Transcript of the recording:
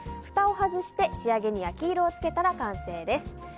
ふたを外して、仕上げに焼き色をつけたら完成です。